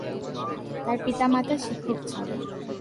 তার পিতা, মাতা শিক্ষক ছিলেন।